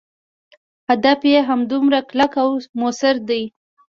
هدف یې همدومره کلک او موثر دی.